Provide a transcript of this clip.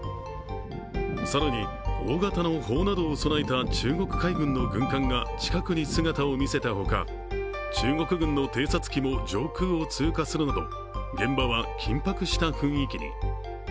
更に大型の砲などを備えた中国海軍の軍艦が近くに姿を見せたほか、中国軍の偵察機も上空を通過するなど現場は緊迫した雰囲気に。